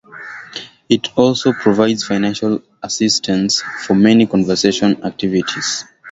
It also provides financial assistance for many conservation activities.